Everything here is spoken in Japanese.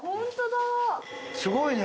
すごいね！